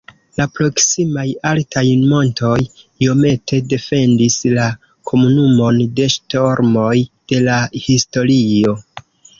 La proksimaj altaj montoj iomete defendis la komunumon de ŝtormoj de la historio.